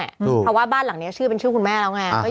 เพราะว่าบ้านหลังนี้ชื่อเป็นชื่อคุณแม่แล้วไง